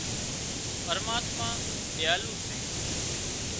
پرماتما ۮيالو سي